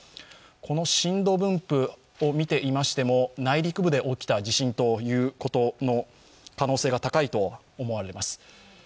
この震度分布を見ていましても内陸部で起きた地震という可能性が高いと思われます。